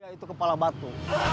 itu kepala batu